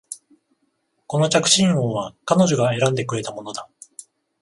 この着信音は彼女が選んでくれたものだ